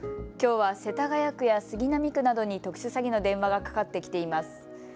きょうは世田谷区や杉並区などに特殊詐欺の電話がかかってきています。